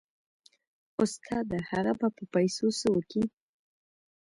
استاده هغه به په پيسو څه وكي.